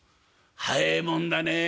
「早えもんだねえ。